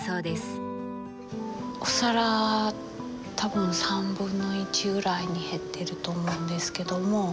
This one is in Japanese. お皿多分３分の１ぐらいに減ってると思うんですけども。